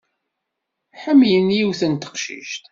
Ḥemmlen yiwet n teqcict.